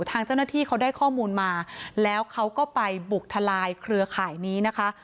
ทางเจ้าหน้าที่เขาได้ข้อมูลมาแล้วเขาก็ไปบุกทลายเครือข่ายนี้นะคะ